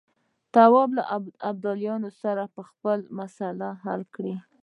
نواب له ابدالي سره خپل مسایل حل کړي.